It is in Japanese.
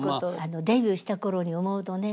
デビューした頃に思うとね